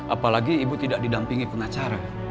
apalagi ibu tidak didampingi pengacara